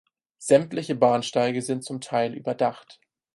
Sämtliche Bahnsteige sind zum Teil überdacht.